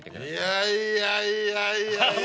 いやいやいやいやいや。